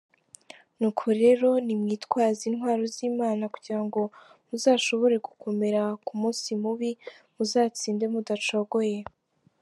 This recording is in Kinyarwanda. Nuko rero nimwitwaze intwaro z’Imana, kugirango muzashobore gukomera ku munsi mubi, muzatsinde mudacogoye.